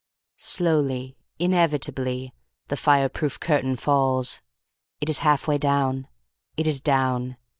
Slowly, inevitably, the fireproof curtain falls. It is half way down. It is down.